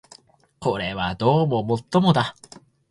これはどうも尤もだ